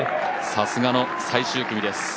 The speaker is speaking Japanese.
さすがの最終組です。